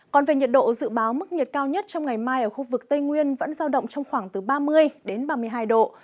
còn về nhiệt độ dự báo mức nhiệt cao nhất trong ngày mai ở khu vực tây nguyên vẫn giao động trong khoảng từ ba mươi đến ba mươi hai độ